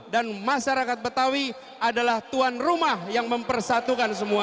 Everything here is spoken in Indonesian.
dan masyarakat betawi adalah tuan rumah yang mempersatukan semua